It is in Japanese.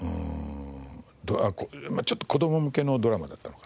ちょっと子ども向けのドラマだったの。